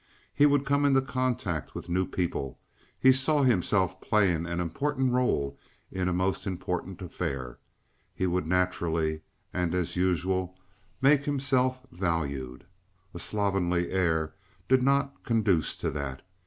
He would come into contact with new people; he saw himself playing an important rôle in a most important affair; he would naturally and as usual make himself valued. A slovenly air did not conduce to that.